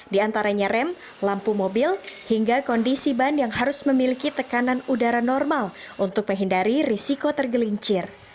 di antaranya rem lampu mobil hingga kondisi ban yang harus memiliki tekanan udara normal untuk menghindari risiko tergelincir